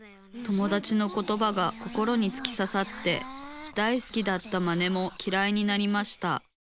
友だちのことばが心につきささって大好きだったマネもきらいになりました。